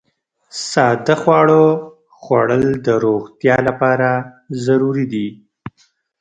ساده خواړه خوړل د روغتیا لپاره ضروري دي.